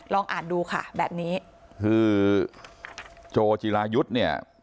ลองอ่านดูค่ะแบบนี้คือโจจิรายุทธ์เนี่ย